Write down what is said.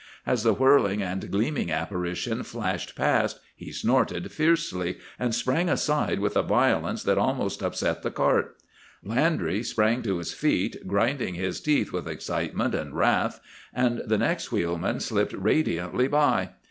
As the whirling and gleaming apparition flashed past he snorted fiercely, and sprang aside with a violence that almost upset the cart. Landry sprang to his feet, grinding his teeth with excitement and wrath, and the next wheelman slipped radiantly by.